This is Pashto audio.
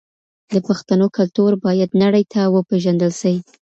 د پښتنو کلتور باید نړۍ ته وپېژندل سي.